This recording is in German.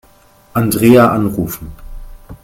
Andrea anrufen.